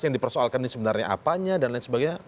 yang dipersoalkan ini sebenarnya apanya dan lain sebagainya